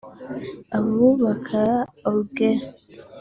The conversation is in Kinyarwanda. Abubakar Ogle